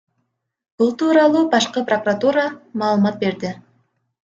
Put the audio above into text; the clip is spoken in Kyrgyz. Бул тууралуу башкы прокуратура маалымат берди.